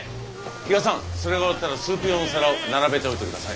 比嘉さんそれが終わったらスープ用の皿を並べておいてください。